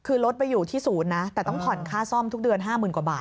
คือรถไปอยู่ที่ศูนย์นะแต่ต้องผ่อนค่าซ่อมทุกเดือน๕๐๐๐กว่าบาท